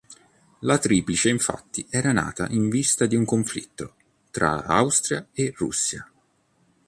La triplice infatti era nata in vista di un conflitto tra Austria e Russia.